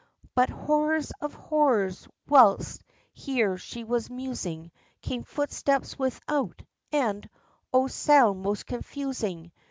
But horror of horrors! whilst here she was musing, Came footsteps without, and oh! sound most confusing!